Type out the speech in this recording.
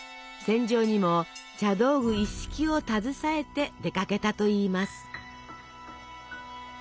戦場にも茶道具一式を携えて出かけたといいます。